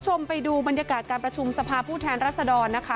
คุณผู้ชมไปดูบรรยากาศการประชุมสภาพผู้แทนรัศดรนะคะ